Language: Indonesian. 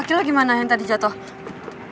kaki lo gimana yang tadi jatuh